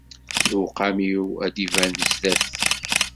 Lewqam-iw ad d-iban sdat-k.